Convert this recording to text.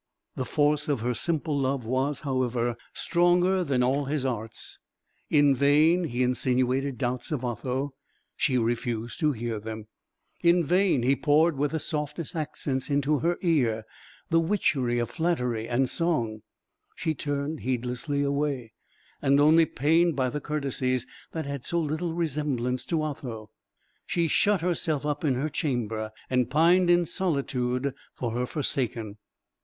The force of her simple love was, however, stronger than all his arts. In vain he insinuated doubts of Otho; she refused to hear them: in vain he poured with the softest accents into her ear the witchery of flattery and song: she turned heedlessly away; and only pained by the courtesies that had so little resemblance to Otho, she shut herself up in her chamber, and pined in solitude for her forsaken.